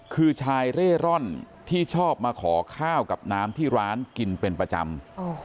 คือชายเร่ร่อนที่ชอบมาขอข้าวกับน้ำที่ร้านกินเป็นประจำ